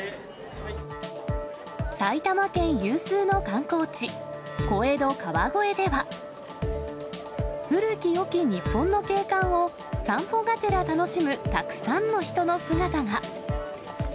埼玉県有数の観光地、小江戸・川越では、古きよき日本の景観を散歩がてら楽しむたくさんの人の姿が。